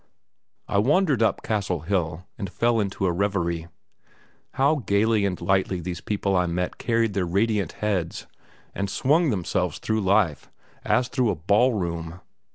I wandered up Castle Hill and fell into a reverie. How gaily and lightly these people I met carried their radiant heads, and swung themselves through life as through a ball room!